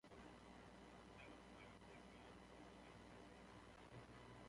نەوەک یاغییەکان بەهرەی لێ ببینن!